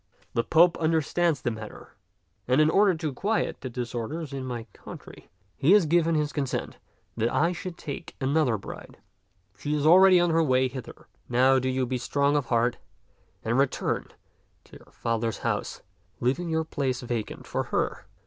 The Pope understands the matter, and in order to quiet the disorders in my country, he has given his consent that I should take another bride. She is already on her way hither. Now do you be strong of heart and return to your father's house, leaving your place vacant for her.